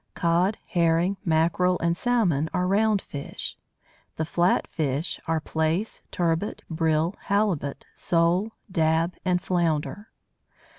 Cod, Herring, Mackerel and Salmon are round fish. The flat fish are Plaice, Turbot, Brill, Halibut, Sole, Dab and Flounder.